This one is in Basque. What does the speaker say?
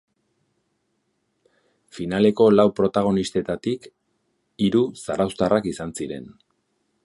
Finaleko lau protagonistetatik hiru zarauztarrak izan ziren.